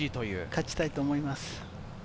勝ちたいと思います。